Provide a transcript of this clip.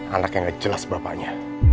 anak yang jelas bapaknya